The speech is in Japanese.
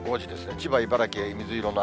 千葉、茨城は水色の雨。